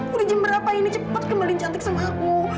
udah jam berapa ini cepet kembali cantik sama aku